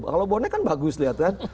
kalau bonek kan bagus lihat kan